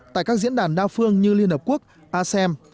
tại các diễn đàn đa phương như liên hợp quốc asem